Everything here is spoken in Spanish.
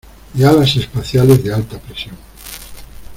¡ Y alas espaciales de alta presión!